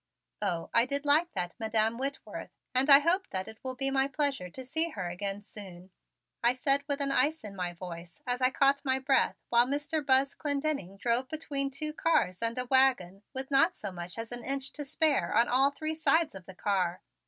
"Oh, I did like that Madam Whitworth, and I hope that it will be my pleasure to see her again soon," I said with an ice in my voice as I caught my breath while Mr. Buzz Clendenning drove between two cars and a wagon with not so much as an inch to spare on all three sides of the car.